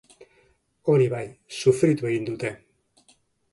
Hori bai, sufritu egin dute.